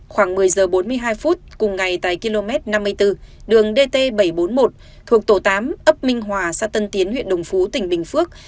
khoảng một mươi giờ bốn mươi hai phút cùng ngày tại km năm mươi bốn đường dt bảy trăm bốn mươi một thuộc tổ tám ấp minh hòa xã tân tiến huyện đồng phú tỉnh bình phước